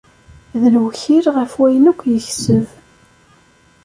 D lewkil ɣef wayen akk yekseb.